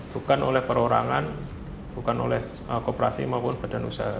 bukan oleh perorangan bukan oleh kooperasi maupun badan usaha